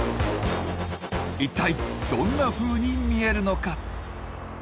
一体どんなふうに見えるのか？